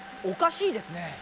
おかしいですね。